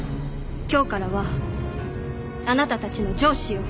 今日からはあなたたちの上司よ。